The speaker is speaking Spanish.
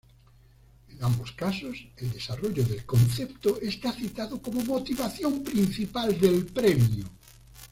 En ambos casos, el desarrollo del concepto está citado como motivación principal del premio.